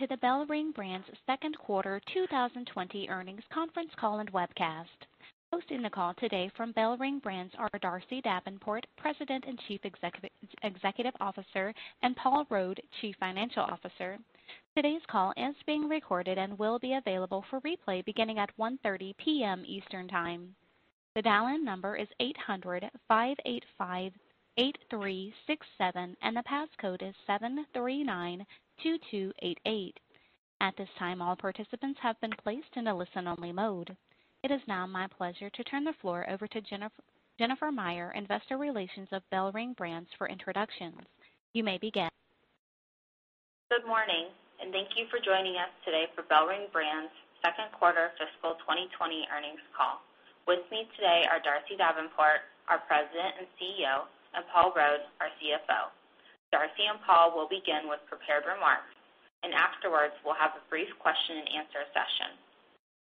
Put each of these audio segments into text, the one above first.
Welcome to the BellRing Brands second quarter 2020 earnings conference call and webcast. Hosting the call today from BellRing Brands are Darcy Davenport, President and Chief Executive Officer, and Paul Rode, Chief Financial Officer. Today's call is being recorded and will be available for replay beginning at 1:30 P.M. Eastern Time. The dial-in number is 800-585-8367, and the passcode is 7392288. At this time, all participants have been placed in a listen-only mode. It is now my pleasure to turn the floor over to Jennifer Meyer, Investor Relations of BellRing Brands for introductions. You may begin. Good morning, and thank you for joining us today for BellRing Brands' second quarter fiscal 2020 earnings call. With me today are Darcy Davenport, our President and CEO, and Paul Rode, our CFO. Darcy and Paul will begin with prepared remarks, and afterwards we'll have a brief question and answer session.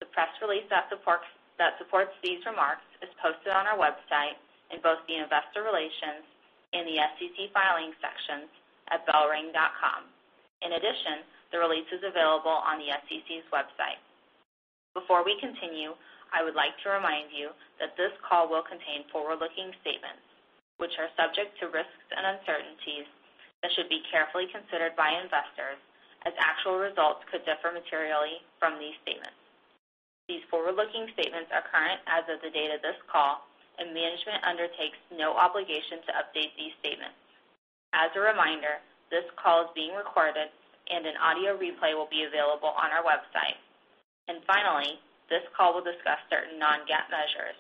The press release that supports these remarks is posted on our website in both the Investor Relations and the SEC Filings sections at bellring.com. In addition, the release is available on the SEC's website. Before we continue, I would like to remind you that this call will contain forward-looking statements, which are subject to risks and uncertainties that should be carefully considered by investors, as actual results could differ materially from these statements. These forward-looking statements are current as of the date of this call, and management undertakes no obligation to update these statements. As a reminder, this call is being recorded and an audio replay will be available on our website. Finally, this call will discuss certain non-GAAP measures.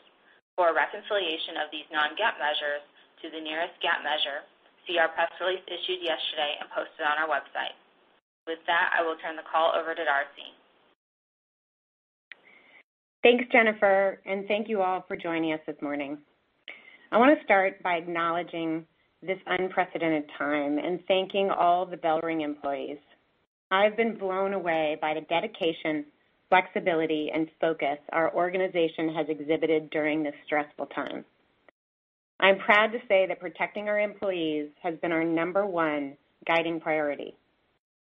For a reconciliation of these non-GAAP measures to the nearest GAAP measure, see our press release issued yesterday and posted on our website. With that, I will turn the call over to Darcy. Thanks, Jennifer. Thank you all for joining us this morning. I want to start by acknowledging this unprecedented time and thanking all the BellRing employees. I've been blown away by the dedication, flexibility, and focus our organization has exhibited during this stressful time. I'm proud to say that protecting our employees has been our number one guiding priority.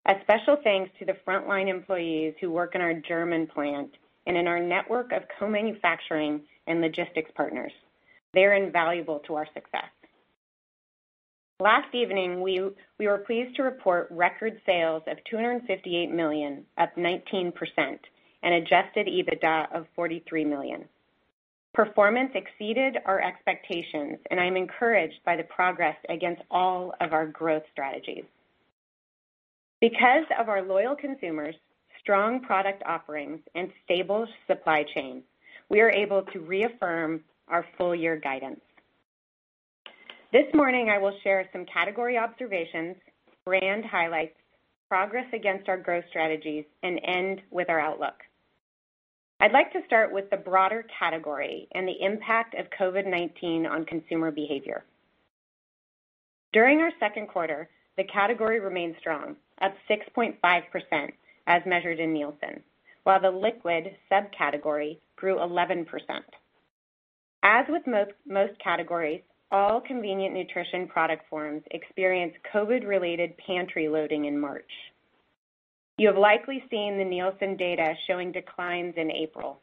A special thanks to the frontline employees who work in our German plant and in our network of co-manufacturing and logistics partners. They're invaluable to our success. Last evening, we were pleased to report record sales of $258 million, up 19%, and adjusted EBITDA of $43 million. Performance exceeded our expectations. I'm encouraged by the progress against all of our growth strategies. Because of our loyal consumers, strong product offerings, and stable supply chain, we are able to reaffirm our full year guidance. This morning, I will share some category observations, brand highlights, progress against our growth strategies, and end with our outlook. I'd like to start with the broader category and the impact of COVID-19 on consumer behavior. During our second quarter, the category remained strong, up 6.5% as measured in Nielsen, while the liquid subcategory grew 11%. As with most categories, all convenient nutrition product forms experienced COVID-related pantry loading in March. You have likely seen the Nielsen data showing declines in April.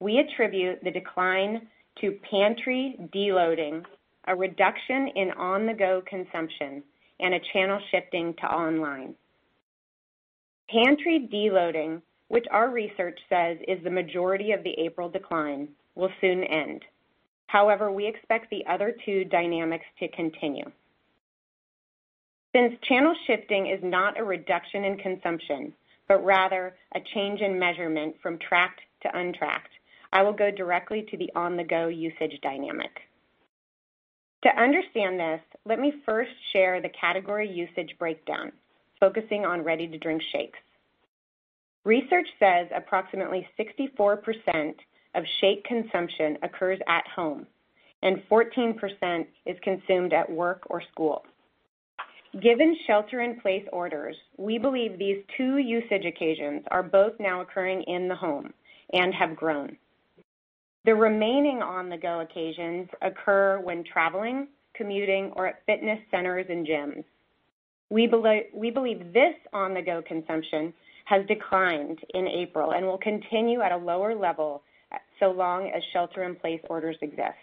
We attribute the decline to pantry de-loading, a reduction in on-the-go consumption, and a channel shifting to online. Pantry de-loading, which our research says is the majority of the April decline, will soon end. However, we expect the other two dynamics to continue. Since channel shifting is not a reduction in consumption, but rather a change in measurement from tracked to untracked, I will go directly to the on-the-go usage dynamic. To understand this, let me first share the category usage breakdown, focusing on ready-to-drink shakes. Research says approximately 64% of shake consumption occurs at home and 14% is consumed at work or school. Given shelter-in-place orders, we believe these two usage occasions are both now occurring in the home and have grown. The remaining on-the-go occasions occur when traveling, commuting, or at fitness centers and gyms. We believe this on-the-go consumption has declined in April and will continue at a lower level so long as shelter-in-place orders exist.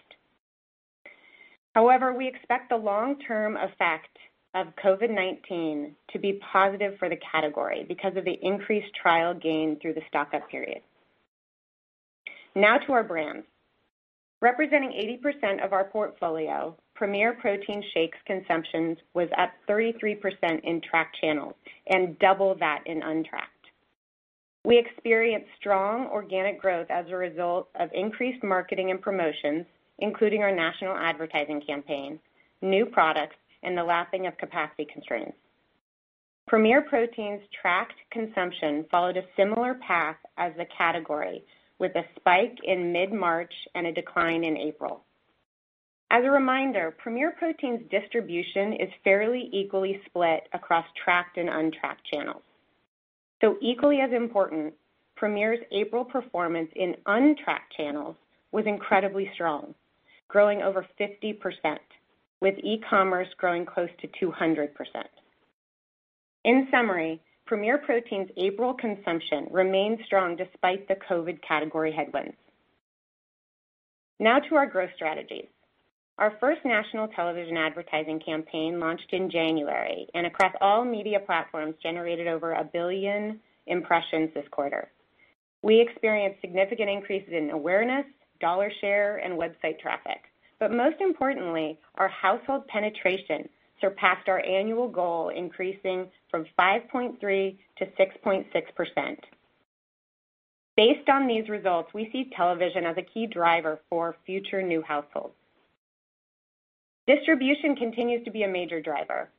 However, we expect the long-term effect of COVID-19 to be positive for the category because of the increased trial gained through the stock-up period. Now to our brands. Representing 80% of our portfolio, Premier Protein shakes consumption was up 33% in tracked channels and double that in untracked. We experienced strong organic growth as a result of increased marketing and promotions, including our national advertising campaign, new products, and the lapping of capacity constraints. Premier Protein's tracked consumption followed a similar path as the category, with a spike in mid-March and a decline in April. As a reminder, Premier Protein's distribution is fairly equally split across tracked and untracked channels. Equally as important, Premier's April performance in untracked channels was incredibly strong. Growing over 50%, with e-commerce growing close to 200%. In summary, Premier Protein's April consumption remained strong despite the COVID category headwinds. Now to our growth strategies. Our first national television advertising campaign launched in January, and across all media platforms, generated over a billion impressions this quarter. We experienced significant increases in awareness, dollar share, and website traffic. Most importantly, our household penetration surpassed our annual goal, increasing from 5.3% to 6.6%. Based on these results, we see television as a key driver for future new households. Distribution continues to be a major driver.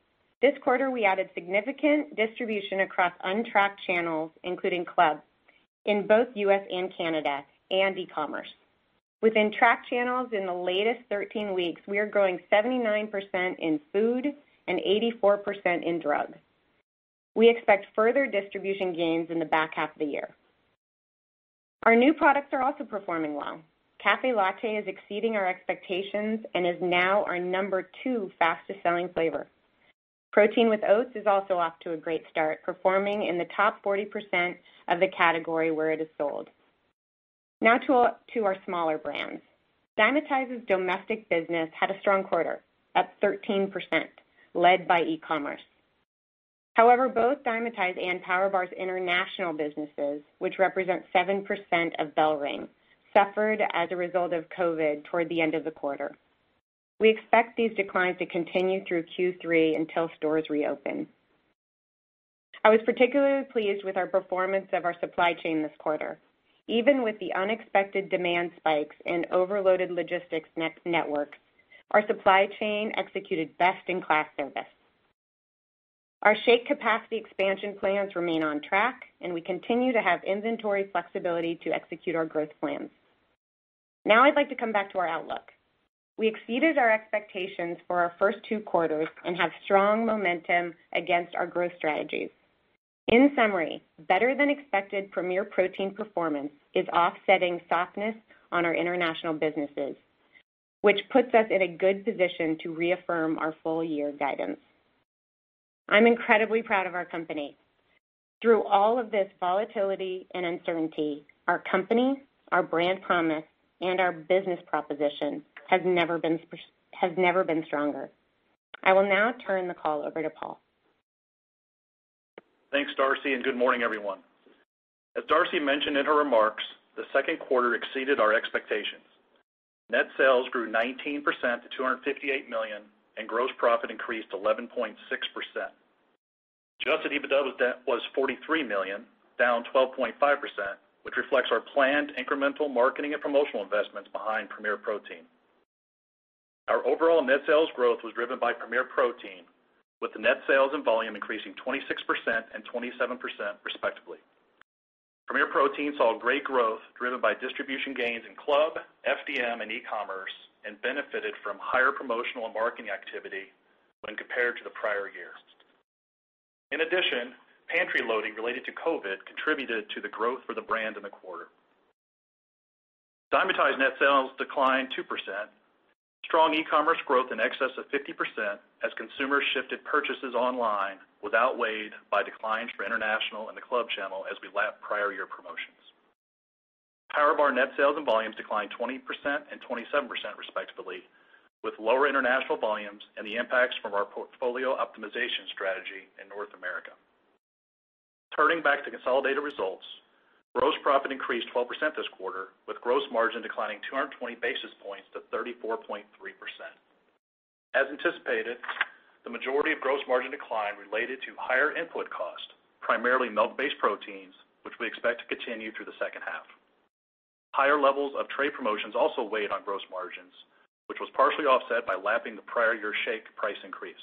This quarter, we added significant distribution across untracked channels, including club in both U.S. and Canada, and e-commerce. Within tracked channels in the latest 13 weeks, we are growing 79% in food and 84% in drug. We expect further distribution gains in the back half of the year. Our new products are also performing well. Cafe Latte is exceeding our expectations and is now our number two fastest-selling flavor. Protein with Oats is also off to a great start, performing in the top 40% of the category where it is sold. To our smaller brands. Dymatize's domestic business had a strong quarter, up 13%, led by e-commerce. However, both Dymatize and PowerBar's international businesses, which represent 7% of BellRing, suffered as a result of COVID toward the end of the quarter. We expect these declines to continue through Q3 until stores reopen. I was particularly pleased with our performance of our supply chain this quarter. Even with the unexpected demand spikes and overloaded logistics network, our supply chain executed best-in-class service. Our shake capacity expansion plans remain on track, and we continue to have inventory flexibility to execute our growth plans. Now I'd like to come back to our outlook. We exceeded our expectations for our first two quarters and have strong momentum against our growth strategies. In summary, better than expected Premier Protein performance is offsetting softness on our international businesses, which puts us in a good position to reaffirm our full year guidance. I'm incredibly proud of our company. Through all of this volatility and uncertainty, our company, our brand promise, and our business proposition has never been stronger. I will now turn the call over to Paul. Thanks, Darcy, and good morning, everyone. As Darcy mentioned in her remarks, the second quarter exceeded our expectations. Net sales grew 19% to $258 million, and gross profit increased 11.6%. Adjusted EBITDA was $43 million, down 12.5%, which reflects our planned incremental marketing and promotional investments behind Premier Protein. Our overall net sales growth was driven by Premier Protein, with the net sales and volume increasing 26% and 27% respectively. Premier Protein saw great growth driven by distribution gains in club, FDM, and e-commerce, and benefited from higher promotional and marketing activity when compared to the prior year. In addition, pantry loading related to COVID-19 contributed to the growth for the brand in the quarter. Dymatize net sales declined 2%. Strong e-commerce growth in excess of 50% as consumers shifted purchases online was outweighed by declines for international and the club channel as we lapped prior year promotions. PowerBar net sales and volumes declined 20% and 27%, respectively, with lower international volumes and the impacts from our portfolio optimization strategy in North America. Turning back to consolidated results, gross profit increased 12% this quarter, with gross margin declining 220 basis points to 34.3%. As anticipated, the majority of gross margin decline related to higher input cost, primarily milk-based proteins, which we expect to continue through the second half. Higher levels of trade promotions also weighed on gross margins, which was partially offset by lapping the prior year shake price increase.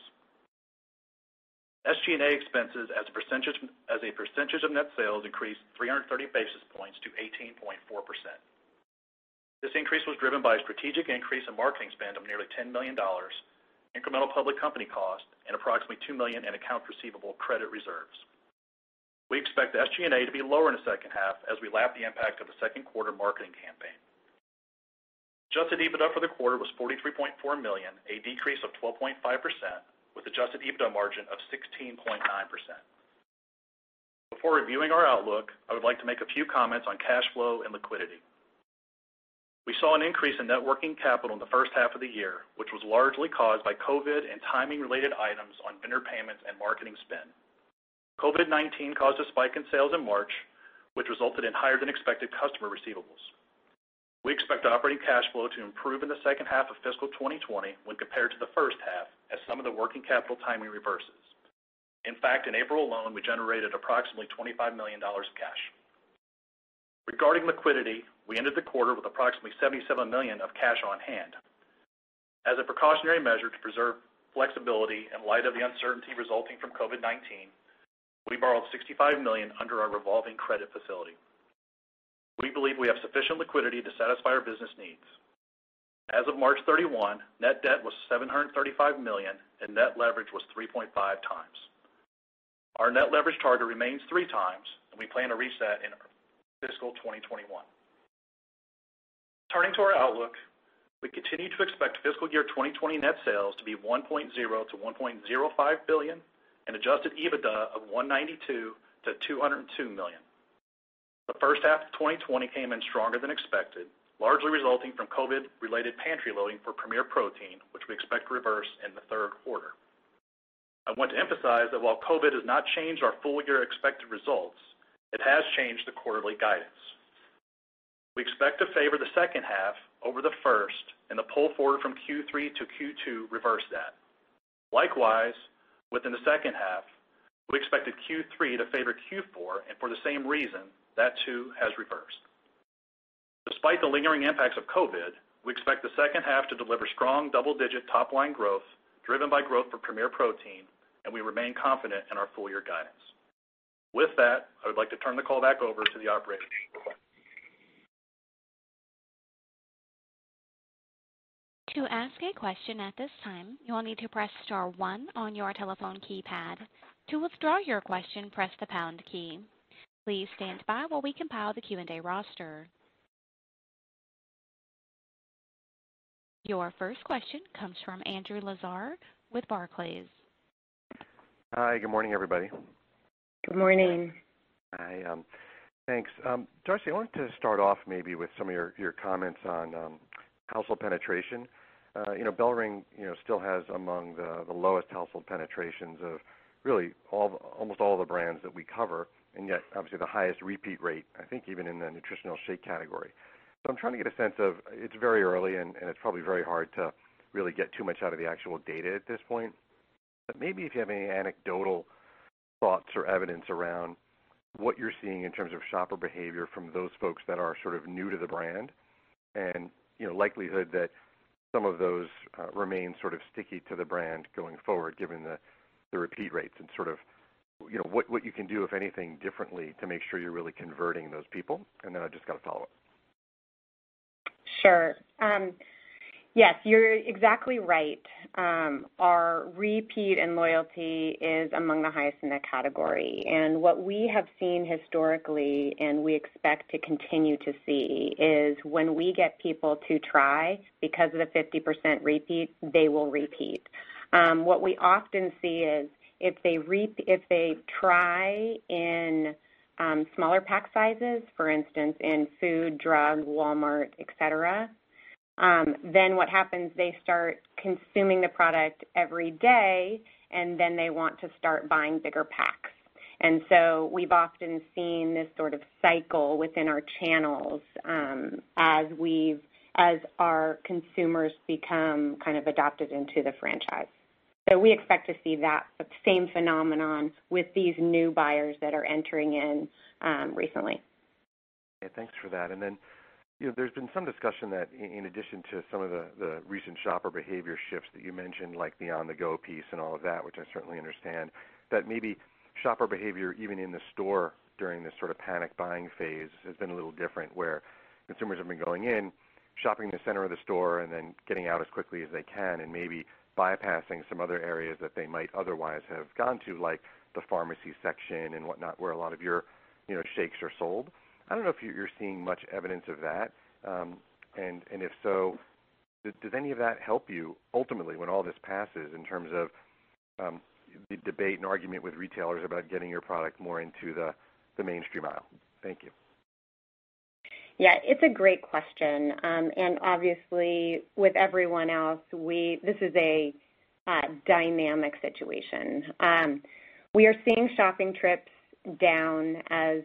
SG&A expenses as a percentage of net sales increased 330 basis points to 18.4%. This increase was driven by a strategic increase in marketing spend of nearly $10 million, incremental public company cost, and approximately $2 million in account receivable credit reserves. We expect the SG&A to be lower in the second half as we lap the impact of the second quarter marketing campaign. Adjusted EBITDA for the quarter was $43.4 million, a decrease of 12.5%, with adjusted EBITDA margin of 16.9%. Before reviewing our outlook, I would like to make a few comments on cash flow and liquidity. We saw an increase in net working capital in the first half of the year, which was largely caused by COVID and timing-related items on vendor payments and marketing spend. COVID-19 caused a spike in sales in March, which resulted in higher than expected customer receivables. We expect operating cash flow to improve in the second half of fiscal 2020 when compared to the first half as some of the working capital timing reverses. In fact, in April alone, we generated approximately $25 million in cash. Regarding liquidity, we ended the quarter with approximately $77 million of cash on hand. As a precautionary measure to preserve flexibility in light of the uncertainty resulting from COVID-19, we borrowed $65 million under our revolving credit facility. We believe we have sufficient liquidity to satisfy our business needs. As of March 31, net debt was $735 million, and net leverage was 3.5 times. Our net leverage target remains 3x, and we plan to reach that in fiscal 2021. Turning to our outlook, we continue to expect fiscal year 2020 net sales to be $1.0 billion-$1.05 billion and adjusted EBITDA of $192 million-$202 million. The first half of 2020 came in stronger than expected, largely resulting from COVID related pantry loading for Premier Protein, which we expect to reverse in the third quarter. I want to emphasize that while COVID has not changed our full-year expected results, it has changed the quarterly guidance. We expect to favor the second half over the first and the pull forward from Q3 to Q2 reverse that. Likewise, within the second half, we expected Q3 to favor Q4, and for the same reason, that too has reversed. Despite the lingering impacts of COVID, we expect the second half to deliver strong double-digit top-line growth driven by growth for Premier Protein, and we remain confident in our full-year guidance. With that, I would like to turn the call back over to the operator. To ask a question at this time, you will need to press star one on your telephone keypad. To withdraw your question, press the pound key. Please stand by while we compile the Q&A roster. Your first question comes from Andrew Lazar with Barclays. Hi. Good morning, everybody. Good morning. Hi. Thanks. Darcy, I wanted to start off maybe with some of your comments on household penetration. BellRing still has among the lowest household penetrations of really almost all the brands that we cover, and yet obviously the highest repeat rate, I think, even in the nutritional shake category. I'm trying to get a sense of, it's very early and it's probably very hard to really get too much out of the actual data at this point, but maybe if you have any anecdotal thoughts or evidence around what you're seeing in terms of shopper behavior from those folks that are sort of new to the brand and likelihood that some of those remain sort of sticky to the brand going forward, given the repeat rates and sort of what you can do, if anything, differently to make sure you're really converting those people. I've just got a follow-up. Sure. Yes, you're exactly right. Our repeat and loyalty is among the highest in the category. What we have seen historically, and we expect to continue to see is when we get people to try because of the 50% repeat, they will repeat. What we often see is if they try in smaller pack sizes, for instance, in food, drug, Walmart, et cetera, then what happens, they start consuming the product every day, and then they want to start buying bigger packs. We've often seen this sort of cycle within our channels as our consumers become kind of adopted into the franchise. We expect to see that same phenomenon with these new buyers that are entering in recently. Yeah, thanks for that. There's been some discussion that in addition to some of the recent shopper behavior shifts that you mentioned, like the on-the-go piece and all of that, which I certainly understand, that maybe shopper behavior, even in the store during this sort of panic buying phase, has been a little different, where consumers have been going in, shopping the center of the store, then getting out as quickly as they can and maybe bypassing some other areas that they might otherwise have gone to, like the pharmacy section and whatnot, where a lot of your shakes are sold. I don't know if you're seeing much evidence of that. If so, does any of that help you ultimately when all this passes in terms of the debate and argument with retailers about getting your product more into the mainstream aisle? Thank you. Yeah. It's a great question. Obviously, with everyone else, this is a dynamic situation. We are seeing shopping trips down as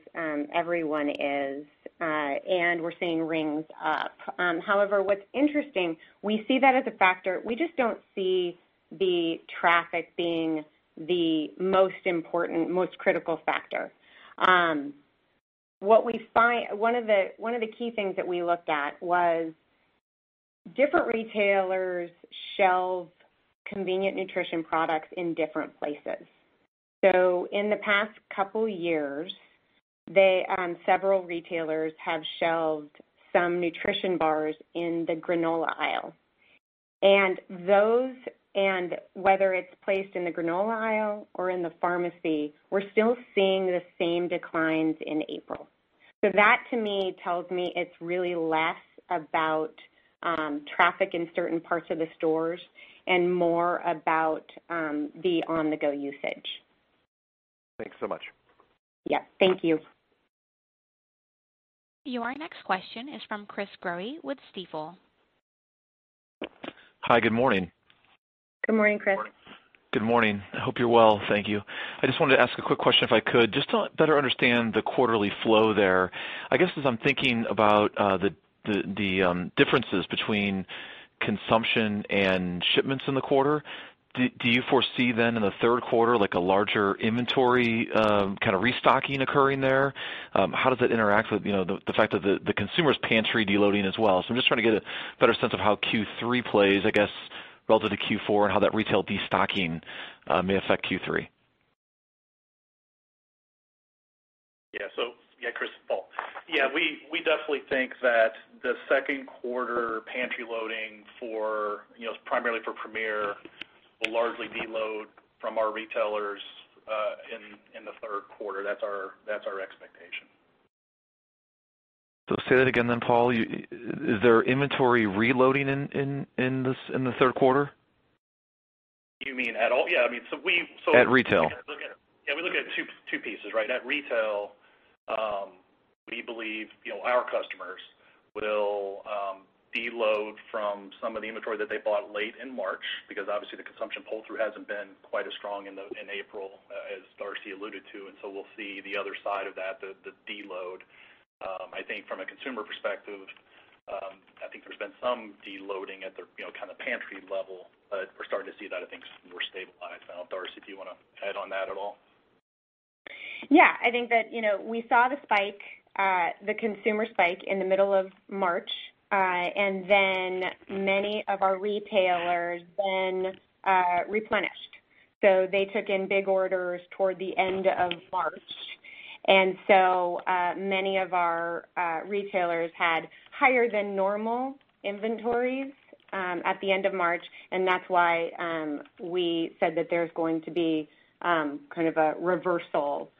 everyone is. We're seeing rings up. However, what's interesting, we see that as a factor. We just don't see the traffic being the most important, most critical factor. One of the key things that we looked at was different retailers shelve convenient nutrition products in different places. In the past couple years, several retailers have shelved some nutrition bars in the granola aisle. Whether it's placed in the granola aisle or in the pharmacy, we're still seeing the same declines in April. That, to me, tells me it's really less about traffic in certain parts of the stores and more about the on-the-go usage. Thanks so much. Yeah. Thank you. Your next question is from Chris Growe with Stifel. Hi. Good morning. Good morning, Chris. Good morning. I hope you're well. Thank you. I just wanted to ask a quick question, if I could, just to better understand the quarterly flow there. I guess, as I'm thinking about the differences between consumption and shipments in the quarter, do you foresee then in the third quarter, like a larger inventory kind of restocking occurring there? How does it interact with the fact that the consumer's pantry deloading as well? I'm just trying to get a better sense of how Q3 plays, I guess, relative to Q4 and how that retail destocking may affect Q3. Chris, Paul. Yeah, we definitely think that the second quarter pantry loading primarily for Premier will largely deload from our retailers in the third quarter. That's our expectation. Say that again then, Paul. Is there inventory reloading in the third quarter? You mean at all? Yeah. At retail. We look at two pieces, right? At retail, we believe our customers will deload from some of the inventory that they bought late in March because obviously the consumption pull-through hasn't been quite as strong in April as Darcy alluded to. We'll see the other side of that, the deload. I think from a consumer perspective, I think there's been some deloading at the kind of pantry level. We're starting to see that, I think, more stabilized now. Darcy, if you want to add on that at all. Yeah, I think that we saw the consumer spike in the middle of March, and then many of our retailers then replenished. They took in big orders toward the end of March. Many of our retailers had higher than normal inventories at the end of March, and that's why we said that there's going to be a reversal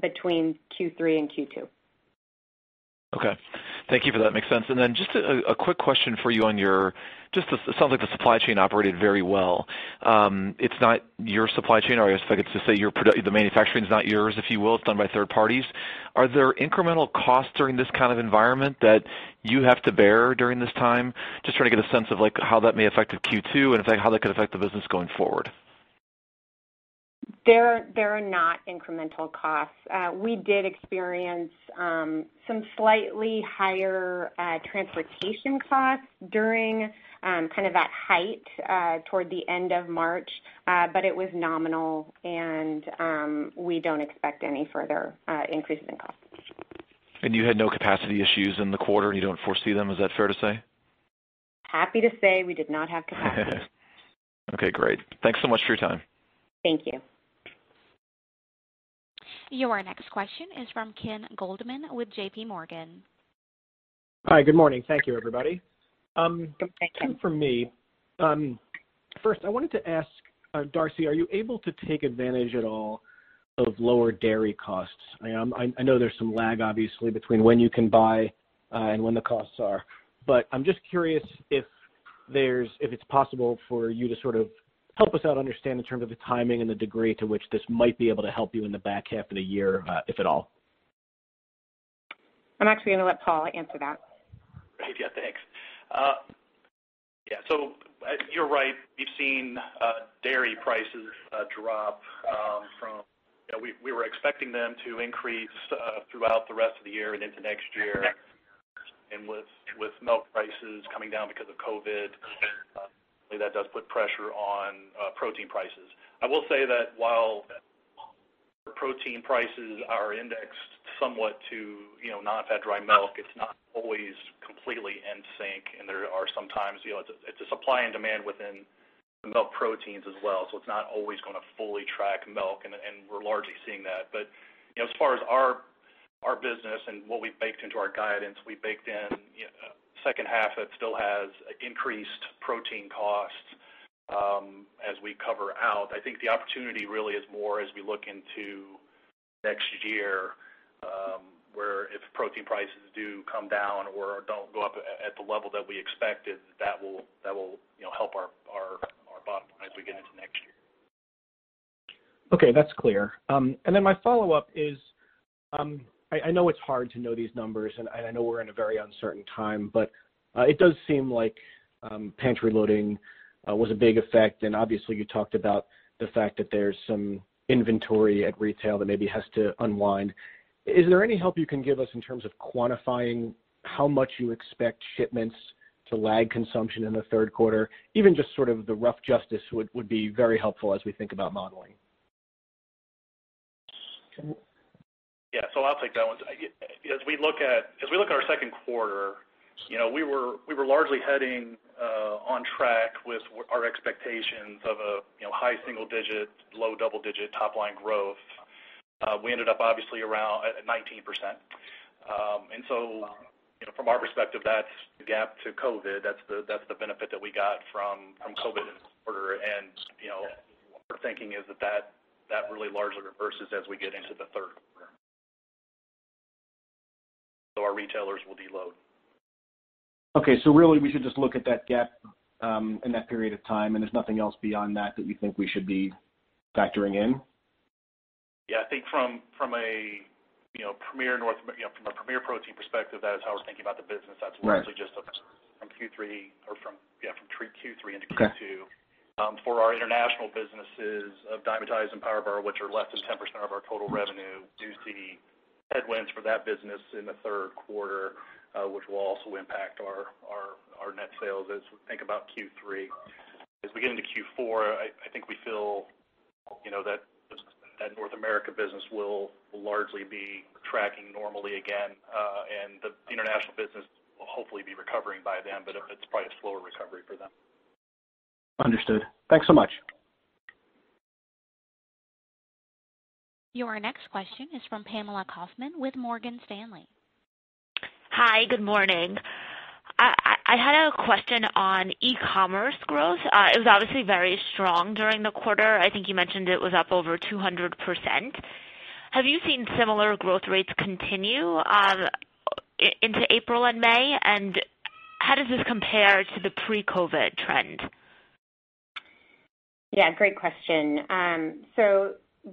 between Q3 and Q2. Okay. Thank you for that. Makes sense. Then just a quick question for you on your-- It sounds like the supply chain operated very well. It's not your supply chain, or I guess I could just say the manufacturing's not yours, if you will. It's done by third parties. Are there incremental costs during this kind of environment that you have to bear during this time? Just trying to get a sense of how that may affect the Q2 and how that could affect the business going forward. There are not incremental costs. We did experience some slightly higher transportation costs during that height toward the end of March, but it was nominal and we don't expect any further increases in costs. You had no capacity issues in the quarter, and you don't foresee them, is that fair to say? Happy to say we did not have capacity issues. Okay, great. Thanks so much for your time. Thank you. Your next question is from Ken Goldman with JPMorgan. Hi. Good morning. Thank you, everybody. Thank you. Two from me. First I wanted to ask Darcy, are you able to take advantage at all of lower dairy costs? I know there's some lag, obviously, between when you can buy and when the costs are, but I'm just curious if it's possible for you to sort of help us out understand in terms of the timing and the degree to which this might be able to help you in the back half of the year, if at all. I'm actually going to let Paul answer that. Right. Yeah, thanks. Yeah. You're right. We've seen dairy prices drop. We were expecting them to increase throughout the rest of the year and into next year. With milk prices coming down because of COVID, that does put pressure on protein prices. I will say that while protein prices are indexed somewhat to nonfat dry milk, it's not always completely in sync. It's a supply and demand within the milk proteins as well. It's not always going to fully track milk, and we're largely seeing that. As far as our business and what we've baked into our guidance, we baked in second half that still has increased protein costs as we cover out. I think the opportunity really is more as we look into next year, where if protein prices do come down or don't go up at the level that we expected, that will help our bottom line as we get into next year. Okay. That's clear. My follow-up is, I know it's hard to know these numbers, and I know we're in a very uncertain time, but it does seem like pantry loading was a big effect, and obviously you talked about the fact that there's some inventory at retail that maybe has to unwind. Is there any help you can give us in terms of quantifying how much you expect shipments to lag consumption in the third quarter? Even just sort of the rough justice would be very helpful as we think about modeling. Yeah, I'll take that one. As we look at our second quarter, we were largely heading on track with our expectations of a high single digit, low double digit top line growth. We ended up obviously around at 19%. From our perspective, that gap to COVID, that's the benefit that we got from COVID in the quarter, and our thinking is that really largely reverses as we get into the third quarter. Our retailers will deload. Okay. Really, we should just look at that GAAP in that period of time, and there's nothing else beyond that that we think we should be factoring in? Yeah, I think from a Premier Protein perspective, that is how we're thinking about the business. That's largely just from Q3 into Q2. Okay. For our international businesses of Dymatize and PowerBar, which are less than 10% of our total revenue, do see headwinds for that business in the third quarter, which will also impact our net sales as we think about Q3. As we get into Q4, I think we feel that North America business will largely be tracking normally again, and the international business will hopefully be recovering by then, but it's probably a slower recovery for them. Understood. Thanks so much. Your next question is from Pamela Kaufman with Morgan Stanley. Hi, good morning. I had a question on e-commerce growth. It was obviously very strong during the quarter. I think you mentioned it was up over 200%. Have you seen similar growth rates continue into April and May? How does this compare to the pre-COVID-19 trend? Yeah, great question.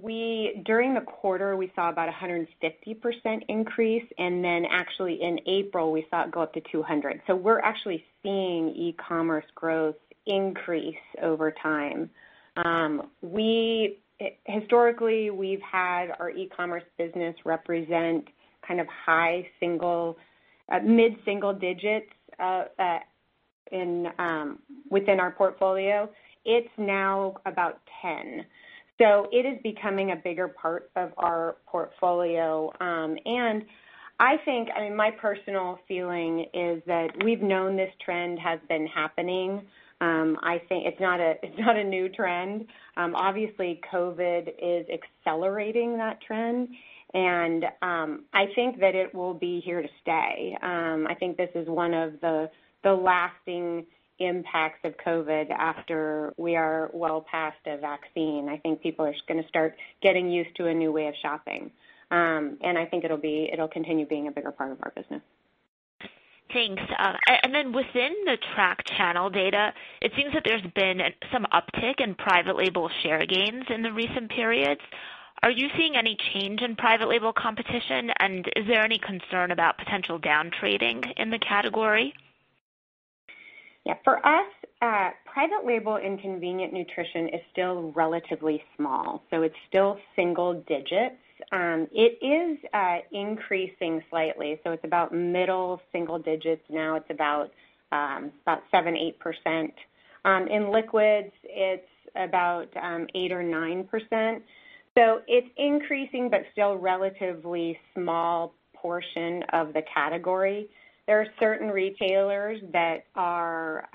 During the quarter, we saw about 150% increase, and then actually in April, we saw it go up to 200%. We're actually seeing e-commerce growth increase over time. Historically, we've had our e-commerce business represent kind of mid-single digits within our portfolio. It's now about 10%. It is becoming a bigger part of our portfolio. My personal feeling is that we've known this trend has been happening. It's not a new trend. Obviously, COVID is accelerating that trend, and I think that it will be here to stay. I think this is one of the lasting impacts of COVID after we are well past a vaccine. I think people are just going to start getting used to a new way of shopping. I think it'll continue being a bigger part of our business. Thanks. Within the track channel data, it seems that there's been some uptick in private label share gains in the recent periods. Are you seeing any change in private label competition? Is there any concern about potential down trading in the category? Yeah. For us, private label in convenient nutrition is still relatively small, so it's still single digits. It is increasing slightly, so it's about middle single digits now. It's about 7%, 8%. In liquids, it's about 8% or 9%. It's increasing, but still relatively small portion of the category. There are certain retailers that are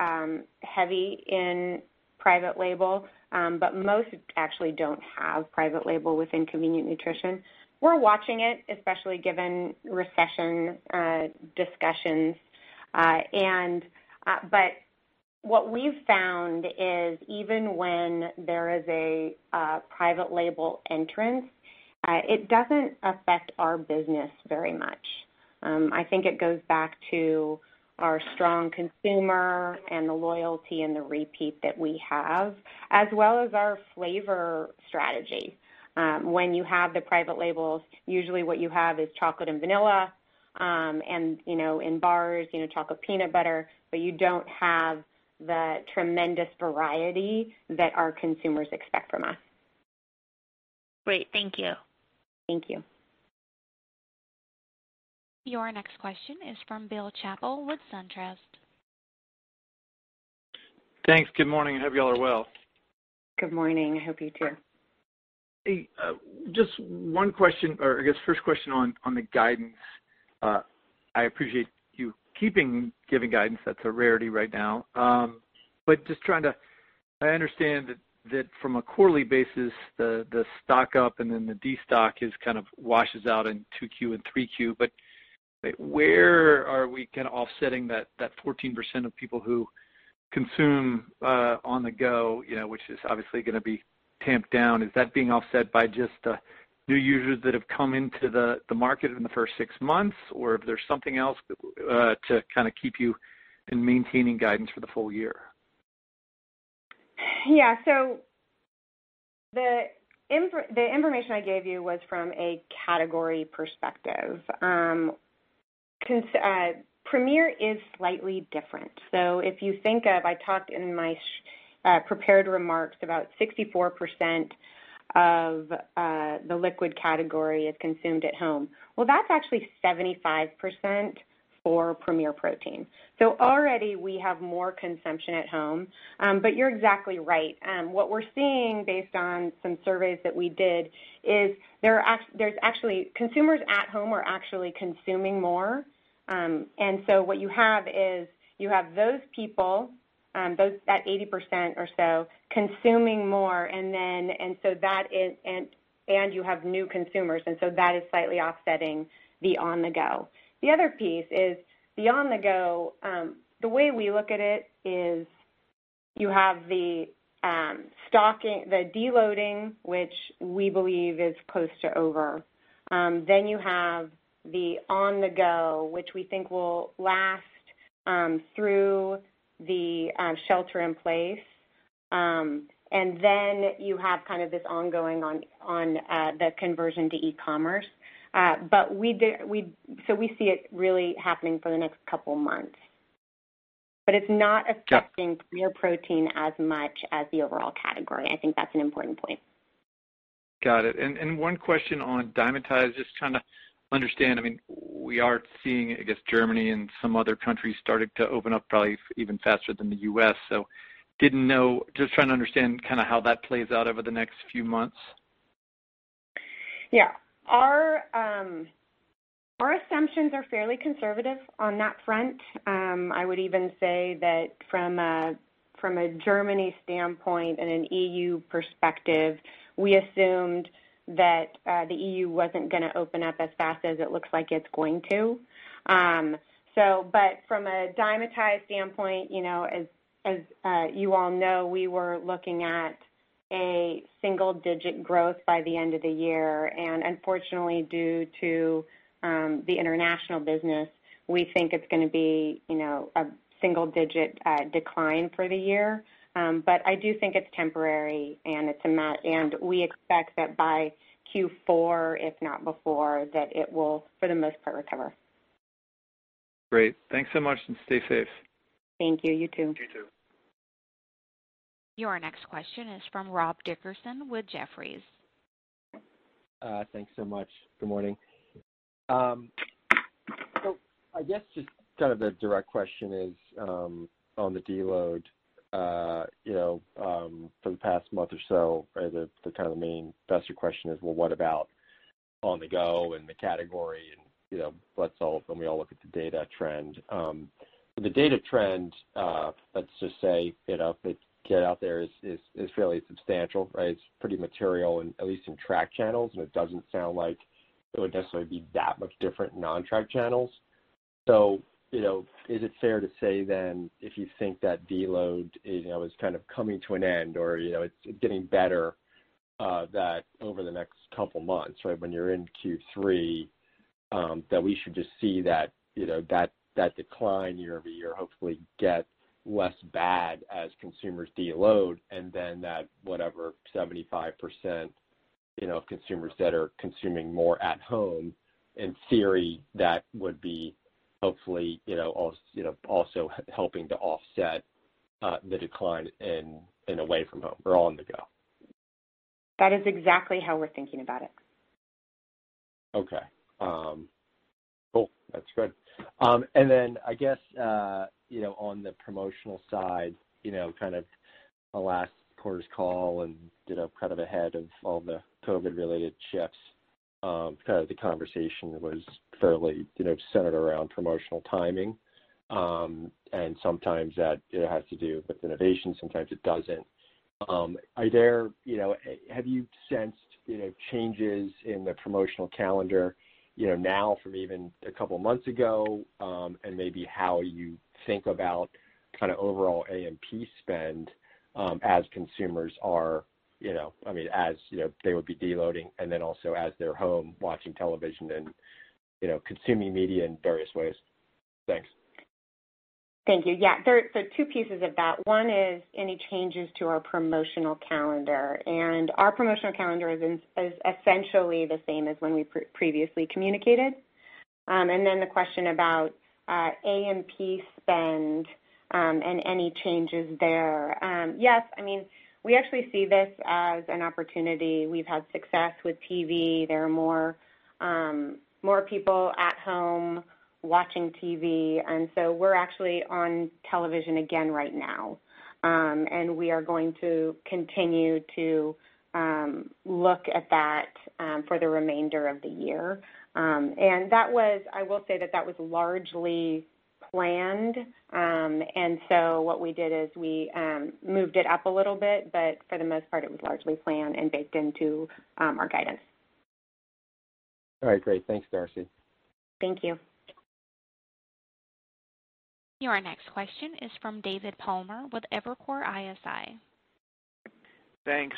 heavy in private label. Most actually don't have private label within convenient nutrition. We're watching it, especially given recession discussions. What we've found is even when there is a private label entrance, it doesn't affect our business very much. I think it goes back to our strong consumer and the loyalty and the repeat that we have, as well as our flavor strategy. When you have the private labels, usually what you have is chocolate and vanilla. In bars, chocolate peanut butter, but you don't have the tremendous variety that our consumers expect from us. Great. Thank you. Thank you. Your next question is from Bill Chappell with SunTrust. Thanks. Good morning. I hope you all are well. Good morning. I hope you too. Just one question, or I guess first question on the guidance. I appreciate you keeping giving guidance. That's a rarity right now. I understand that from a quarterly basis, the stock up and then the destock just kind of washes out in 2Q and 3Q. Where are we kind of offsetting that 14% of people who consume on the go, which is obviously going to be tamped down? Is that being offset by just new users that have come into the market in the first six months, or if there's something else to kind of keep you in maintaining guidance for the full year? Yeah. The information I gave you was from a category perspective. Premier is slightly different. If you think of, I talked in my prepared remarks about 64% of the liquid category is consumed at home. That's actually 75% for Premier Protein. Already we have more consumption at home. You're exactly right. What we're seeing based on some surveys that we did is consumers at home are actually consuming more. What you have is you have those people, that 80% or so, consuming more, and you have new consumers. That is slightly offsetting the on the go. The other piece is the on the go, the way we look at it is you have the deloading, which we believe is close to over. You have the on the go, which we think will last through the shelter in place. You have kind of this ongoing on the conversion to e-commerce. We see it really happening for the next couple of months. It's not affecting Premier Protein as much as the overall category. I think that's an important point. Got it. One question on Dymatize, just trying to understand, we are seeing, I guess, Germany and some other countries starting to open up probably even faster than the U.S. Just trying to understand how that plays out over the next few months. Yeah. Our assumptions are fairly conservative on that front. I would even say that from a Germany standpoint and an EU perspective, we assumed that the EU wasn't going to open up as fast as it looks like it's going to. From a Dymatize standpoint, as you all know, we were looking at a single-digit growth by the end of the year. Unfortunately, due to the international business, we think it's going to be a single-digit decline for the year. I do think it's temporary, and we expect that by Q4, if not before, that it will, for the most part, recover. Great. Thanks so much, and stay safe. Thank you. You too. You too. Your next question is from Rob Dickerson with Jefferies. Thanks so much. Good morning. I guess just kind of the direct question is on the deload for the past month or so, the kind of main investor question is, well, what about on-the-go and the category, and when we all look at the data trend. The data trend, let's just say, that get out there is fairly substantial, right? It's pretty material at least in track channels, and it doesn't sound like it would necessarily be that much different in non-track channels. Is it fair to say then if you think that deload is kind of coming to an end or it's getting better that over the next couple of months, when you're in Q3, that we should just see that decline year-over-year hopefully get less bad as consumers deload, and then that whatever 75% of consumers that are consuming more at home, in theory, that would be hopefully also helping to offset the decline in away from home or on-the-go? That is exactly how we're thinking about it. Okay. Cool. That's good. Then I guess on the promotional side, kind of our last quarter's call and kind of ahead of all the COVID-19 related shifts, kind of the conversation was fairly centered around promotional timing. Sometimes that it has to do with innovation, sometimes it doesn't. Have you sensed changes in the promotional calendar now from even a couple of months ago? Maybe how you think about kind of overall A&P spend as consumers are-- they would be deloading and then also as they're home watching television and consuming media in various ways? Thanks. Thank you. Yeah. There are two pieces of that. One is any changes to our promotional calendar, and our promotional calendar is essentially the same as when we previously communicated. The question about A&P spend and any changes there. Yes, we actually see this as an opportunity. We've had success with TV. There are more people at home watching TV, we're actually on television again right now. We are going to continue to look at that for the remainder of the year. I will say that that was largely planned. What we did is we moved it up a little bit, for the most part, it was largely planned and baked into our guidance. All right. Great. Thanks, Darcy. Thank you. Your next question is from David Palmer with Evercore ISI. Thanks.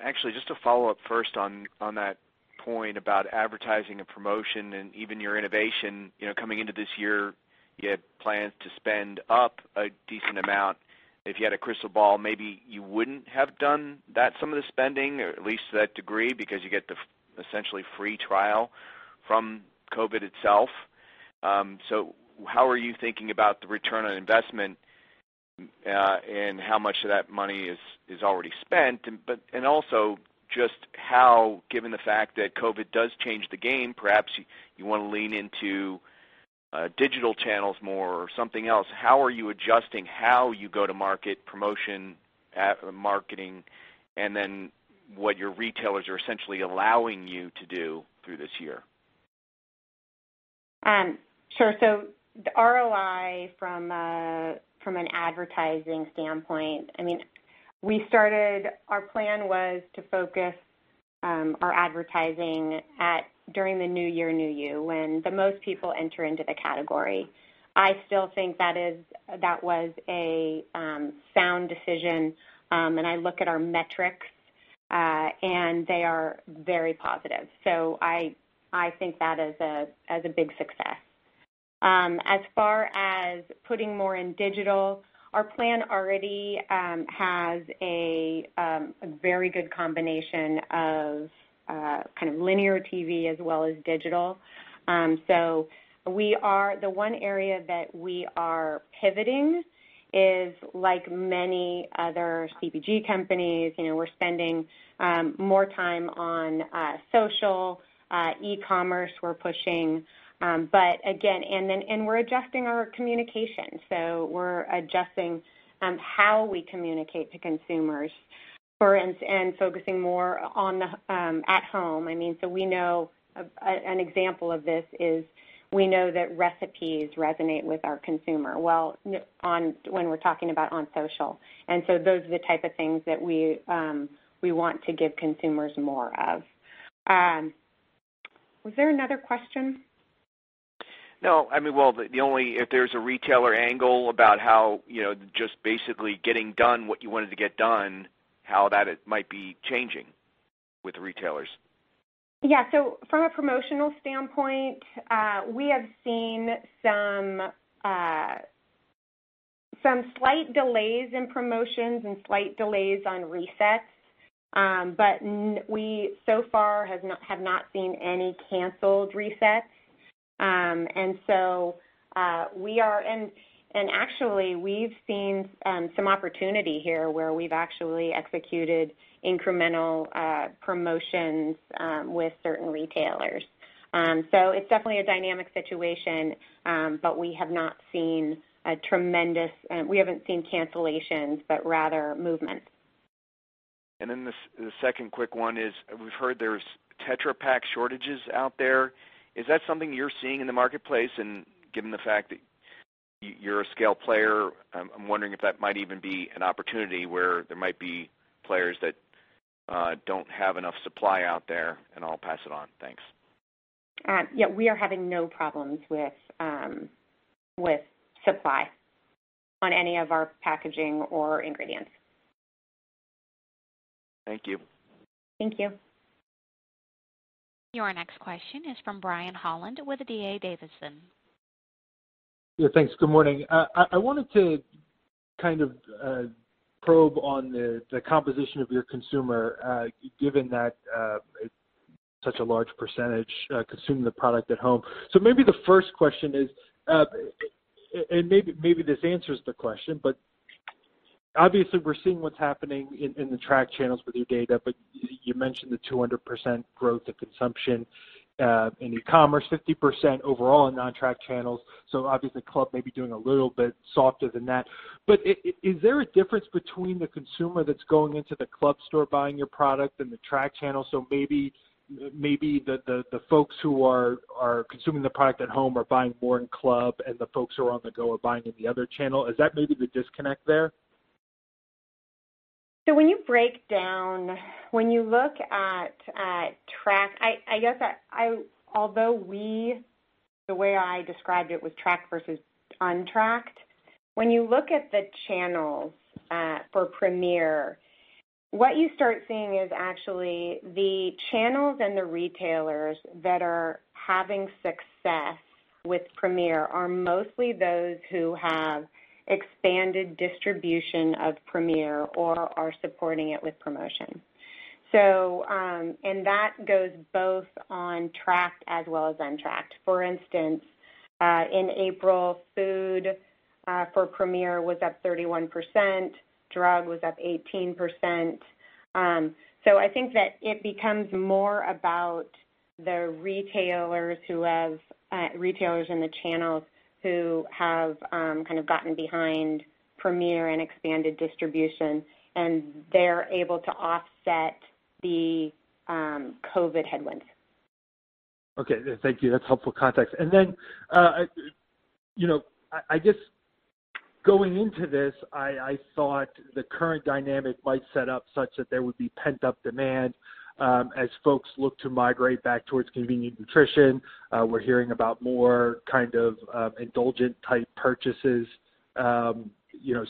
Actually, just to follow up first on that point about advertising and promotion and even your innovation, coming into this year, you had plans to spend up a decent amount. If you had a crystal ball, maybe you wouldn't have done that some of the spending, or at least to that degree because you get the essentially free trial from COVID itself. How are you thinking about the ROI and how much of that money is already spent? Also just how, given the fact that COVID does change the game, perhaps you want to lean into digital channels more or something else. How are you adjusting how you go to market promotion, marketing, and then what your retailers are essentially allowing you to do through this year? Sure. The ROI from an advertising standpoint, our plan was to focus our advertising during the New Year, New You, when the most people enter into the category. I still think that was a sound decision, and I look at our metrics, and they are very positive. I think that as a big success. As far as putting more in digital, our plan already has a very good combination of kind of linear TV as well as digital. The one area that we are pivoting is like many other CPG companies, we're spending more time on social, e-commerce we're pushing. And we're adjusting our communication, so we're adjusting how we communicate to consumers, for instance, and focusing more at home. An example of this is we know that recipes resonate with our consumer when we're talking about on social. Those are the type of things that we want to give consumers more of. Was there another question? No. Well, if there's a retailer angle about how just basically getting done what you wanted to get done, how that might be changing with retailers. From a promotional standpoint, we have seen some slight delays in promotions and slight delays on resets. We so far have not seen any canceled resets. Actually, we've seen some opportunity here where we've actually executed incremental promotions with certain retailers. It's definitely a dynamic situation, but we haven't seen cancellations, but rather movement. The second quick one is, we've heard there's Tetra Pak shortages out there. Is that something you're seeing in the marketplace? Given the fact that you're a scale player, I'm wondering if that might even be an opportunity where there might be players that don't have enough supply out there, and I'll pass it on. Thanks. Yeah, we are having no problems with supply on any of our packaging or ingredients. Thank you. Thank you. Your next question is from Brian Holland with DA Davidson. Yeah, thanks. Good morning. I wanted to kind of probe on the composition of your consumer, given that such a large % consume the product at home. Maybe the first question is, and maybe this answers the question, but obviously we're seeing what's happening in the track channels with your data, but you mentioned the 200% growth of consumption in e-commerce, 50% overall in non-track channels. Obviously, club may be doing a little bit softer than that. Is there a difference between the consumer that's going into the club store buying your product and the track channel? Maybe the folks who are consuming the product at home are buying more in club, and the folks who are on the go are buying in the other channel. Is that maybe the disconnect there? When you look at track, although the way I described it was track versus untracked, when you look at the channels for Premier, what you start seeing is actually the channels and the retailers that are having success with Premier are mostly those who have expanded distribution of Premier or are supporting it with promotion. That goes both on tracked as well as untracked. For instance, in April, food for Premier was up 31%, drug was up 18%. I think that it becomes more about the retailers and the channels who have kind of gotten behind Premier and expanded distribution, and they're able to offset the COVID headwinds. Okay. Thank you. That's helpful context. Then, just going into this, I thought the current dynamic might set up such that there would be pent-up demand, as folks look to migrate back towards convenient nutrition. We're hearing about more kind of indulgent type purchases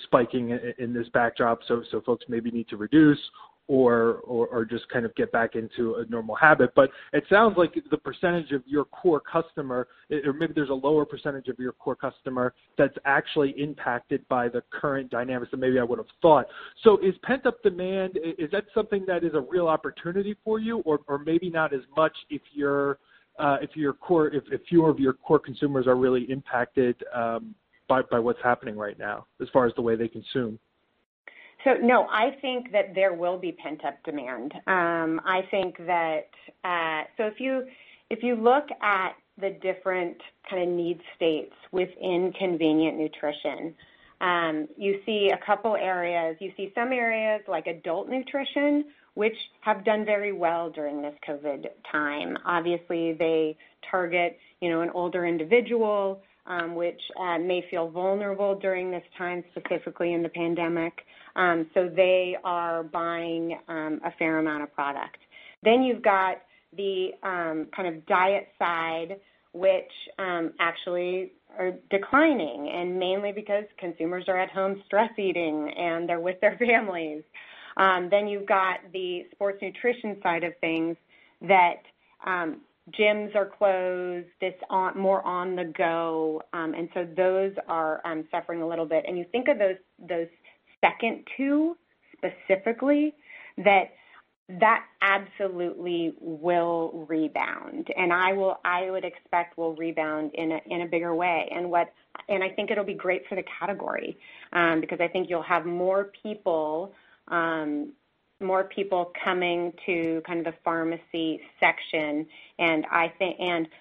spiking in this backdrop. Folks maybe need to reduce or just kind of get back into a normal habit. It sounds like maybe there's a lower percentage of your core customer that's actually impacted by the current dynamics than maybe I would've thought. Is pent-up demand, is that something that is a real opportunity for you, or maybe not as much if fewer of your core consumers are really impacted by what's happening right now, as far as the way they consume? No, I think that there will be pent-up demand. If you look at the different kind of need states within convenient nutrition, you see a couple areas. You see some areas like adult nutrition, which have done very well during this COVID-19 time. Obviously, they target an older individual, which may feel vulnerable during this time, specifically in the pandemic. They are buying a fair amount of product. You've got the kind of diet side, which actually are declining, and mainly because consumers are at home stress eating, and they're with their families. You've got the sports nutrition side of things that gyms are closed, it's more on the go. Those are suffering a little bit. You think of those second two specifically, that absolutely will rebound, and I would expect will rebound in a bigger way. I think it'll be great for the category, because I think you'll have more people coming to kind of the pharmacy section.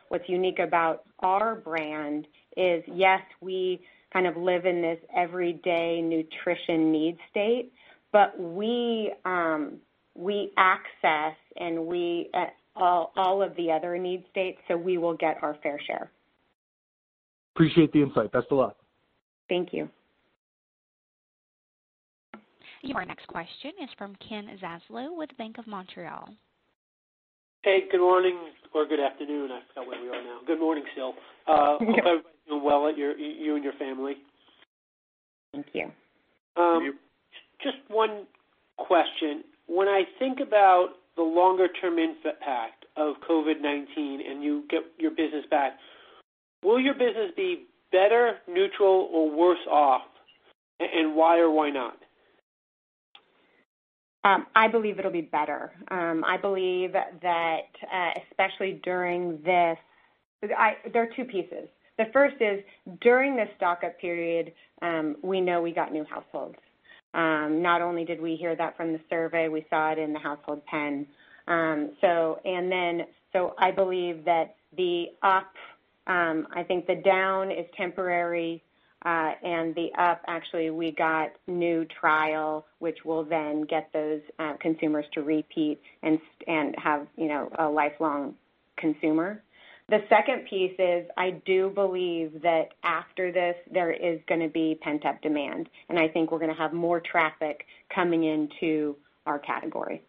What's unique about our brand is, yes, we kind of live in this everyday nutrition need state, but we access and we all of the other need states, so we will get our fair share. Appreciate the insight. Best of luck. Thank you. Your next question is from Ken Zaslow with Bank of Montreal. Hey, good morning or good afternoon. I forgot where we are now. Good morning. Okay. I hope everyone's doing well, you and your family. Thank you. You too. Just one question. When I think about the longer-term impact of COVID-19, and you get your business back, will your business be better, neutral, or worse off? Why or why not? I believe it'll be better. I believe that. There are two pieces. The first is, during this stock-up period, we know we got new households. Not only did we hear that from the survey, we saw it in the household panel. I believe that the up, I think the down is temporary, and the up, actually, we got new trial, which will then get those consumers to repeat and have a lifelong consumer. The second piece is, I do believe that after this, there is going to be pent-up demand, and I think we're going to have more traffic coming into our category.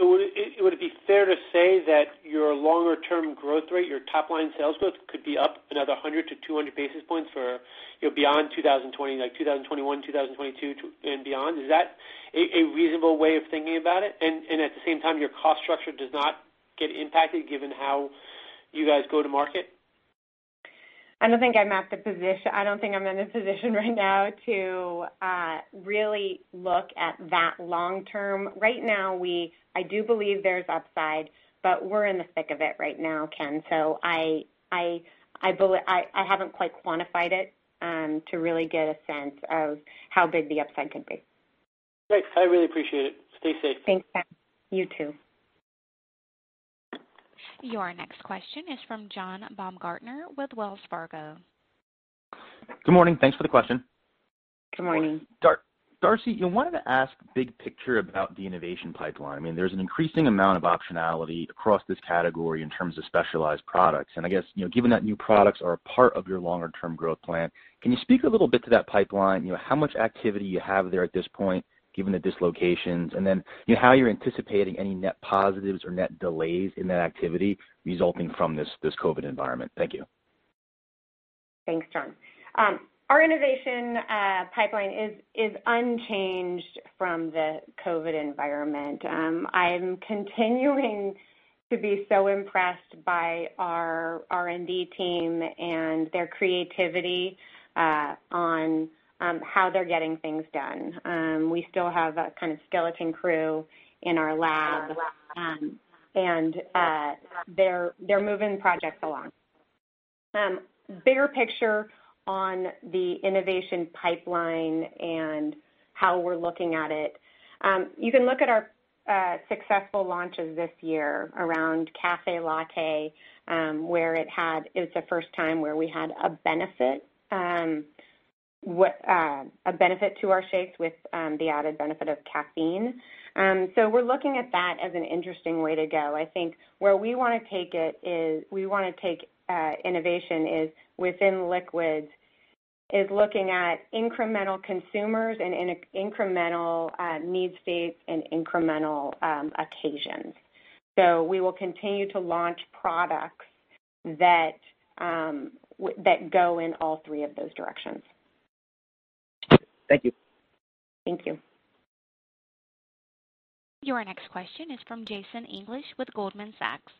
Would it be fair to say that your longer term growth rate, your top-line sales growth, could be up another 100 to 200 basis points for beyond 2020, like 2021, 2022, and beyond? Is that a reasonable way of thinking about it? At the same time, your cost structure does not get impacted given how you guys go to market? I don't think I'm in a position right now to really look at that long term. Right now, I do believe there's upside, but we're in the thick of it right now, Ken. I haven't quite quantified it to really get a sense of how big the upside could be. Great. I really appreciate it. Stay safe. Thanks, Ken. You too. Your next question is from John Baumgartner with Wells Fargo. Good morning. Thanks for the question. Good morning. Darcy, I wanted to ask big picture about the innovation pipeline. There's an increasing amount of optionality across this category in terms of specialized products. I guess, given that new products are a part of your longer-term growth plan, can you speak a little bit to that pipeline? How much activity you have there at this point, given the dislocations? How you're anticipating any net positives or net delays in that activity resulting from this COVID environment. Thank you. Thanks, John. Our innovation pipeline is unchanged from the COVID environment. I'm continuing to be so impressed by our R&D team and their creativity on how they're getting things done. We still have a kind of skeleton crew in our lab, and they're moving projects along. Bigger picture on the innovation pipeline and how we're looking at it. You can look at our successful launches this year around Cafe Latte, where it's the first time where we had a benefit to our shakes with the added benefit of caffeine. We're looking at that as an interesting way to go. I think where we want to take innovation is within liquids, is looking at incremental consumers and incremental need states and incremental occasions. We will continue to launch products that go in all three of those directions. Thank you. Thank you. Your next question is from Jason English with Goldman Sachs.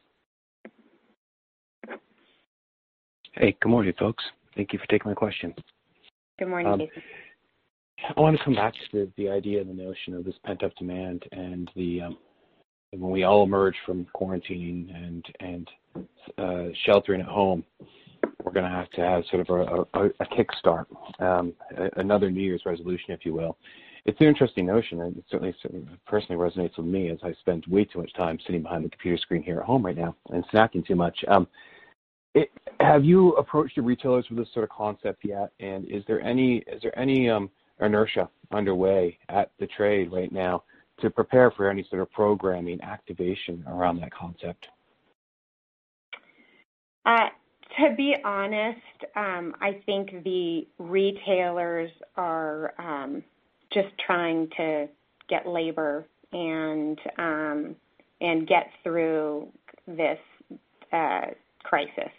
Hey, good morning, folks. Thank you for taking my question. Good morning, Jason. I want to come back to the idea and the notion of this pent-up demand and when we all emerge from quarantine and sheltering at home, we're going to have to have sort of a kick start. Another New Year's resolution, if you will. It's an interesting notion, and it certainly personally resonates with me as I spend way too much time sitting behind the computer screen here at home right now and snacking too much. Have you approached your retailers with this sort of concept yet? Is there any inertia underway at the trade right now to prepare for any sort of programming activation around that concept? To be honest, I think the retailers are just trying to get labor and get through this crisis.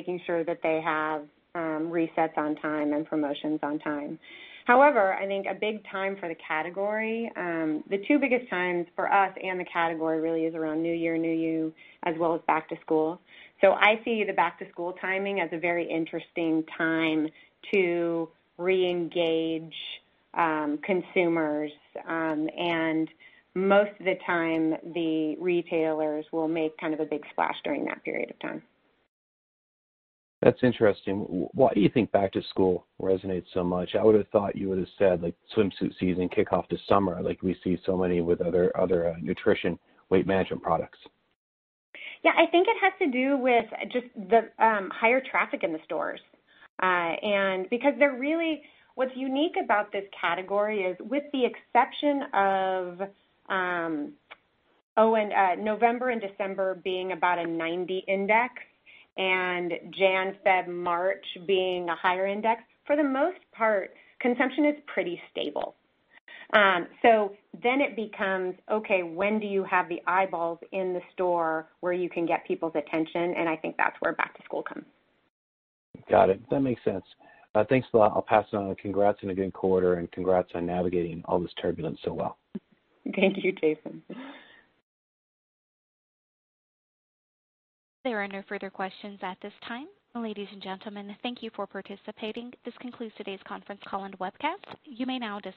Making sure that they have resets on time and promotions on time. However, I think a big time for the category, the two biggest times for us and the category really is around New Year, New You, as well as back to school. I see the back-to-school timing as a very interesting time to reengage consumers. Most of the time, the retailers will make kind of a big splash during that period of time. That's interesting. Why do you think back to school resonates so much? I would have thought you would have said swimsuit season, kickoff to summer, like we see so many with other nutrition weight management products. Yeah, I think it has to do with just the higher traffic in the stores. What's unique about this category is, with the exception of November and December being about a 90 index and January, February, March being a higher index, for the most part, consumption is pretty stable. It becomes, okay, when do you have the eyeballs in the store where you can get people's attention? I think that's where back to school comes. Got it. That makes sense. Thanks a lot. I'll pass it on. Congrats on a good quarter and congrats on navigating all this turbulence so well. Thank you, Jason. There are no further questions at this time. Ladies and gentlemen, thank you for participating. This concludes today's conference call and webcast. You may now disconnect.